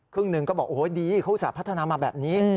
ครึ่งหนึ่งก็บอกโอ้โฮดีเขาอุตสาหรับพัฒนามาแบบนี้